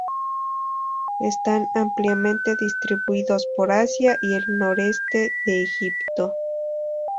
Están ampliamente distribuidos por Asia y el noreste de Egipto.